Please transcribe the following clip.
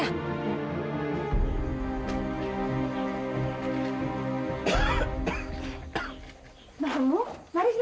aku tidak akan menangkap mereka